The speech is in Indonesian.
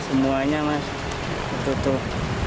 semuanya mas tertutup